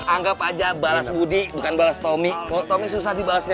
anggap aja balas budi bukan balas tommy kalau tommy susah dibalasnya